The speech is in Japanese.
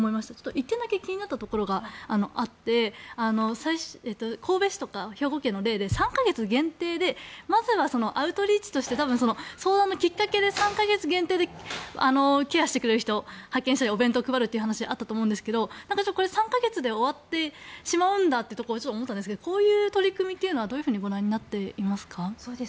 １点だけ気になったところがあって神戸市とか兵庫県の例で３か月限定でまずはアウトリーチとして相談のきっかけで３か月限定でケアをしてくれる人を派遣したりお弁当を配ったりあったと思うんですが３か月で終わってしまうんだとちょっと思ったんですがこういう取り組みはどうご覧になっていますか。